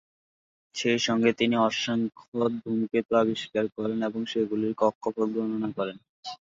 সেই সঙ্গে তিনি অসংখ্য ধূমকেতু আবিষ্কার করেন এবং সেগুলির কক্ষপথ গণনা করেন।